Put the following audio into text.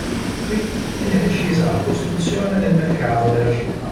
Qui venne decisa la costruzione del mercato della città.